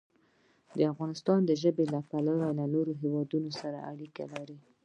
افغانستان د ژبې له پلوه له نورو هېوادونو سره اړیکې لري.